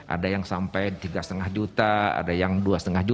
ada yang sampai rp tiga lima ratus ada yang rp dua lima ratus